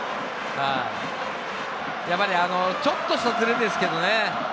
やっぱりちょっとしたズレですけどね。